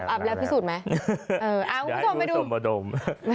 อาบแล้วอะพิสูจน์ไหมเดี๋ยวกูสมมุดดม